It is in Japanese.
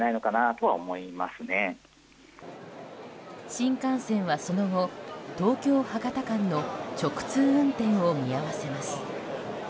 新幹線はその後東京博多間の直通運転を見合わせます。